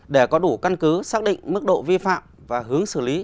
để có đủ căn cứ xác định mức độ vi phạm và hướng xử lý